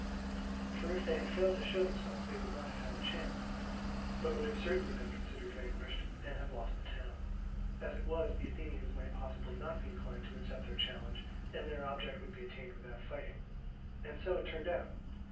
For if they had failed to show themselves they would not have had a chance, but would have certainly been considered vanquished, and have lost the town. As it was, the Athenians might possibly not be inclined to accept their challenge, and their object would be attained without fighting. And so it turned out.